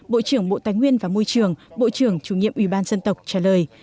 bộ trưởng bộ tài nguyên và môi trường bộ trưởng chủ nhiệm ủy ban dân tộc trả lời